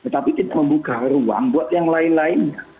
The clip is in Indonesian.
tapi kita membuka ruang buat yang lain lain